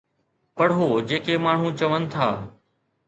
پڙهو جيڪي ماڻهو چون ٿا